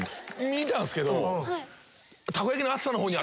見たんすけど。